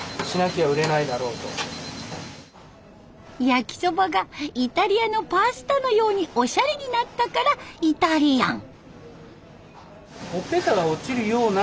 焼きそばがイタリアのパスタのようにオシャレになったから「イタリアン」。